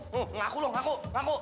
mengaku mengaku mengaku